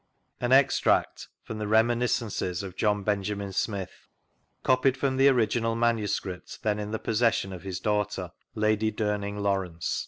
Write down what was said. vGoogIc AN EXTRACT FROM THE Reminiscences " of John Benjamin Smith CopUdfrvm tkt original maHuscript then in the possession of JUt dottghUr, Lady Duming Lawrence.